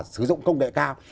sử dụng công nghệ cao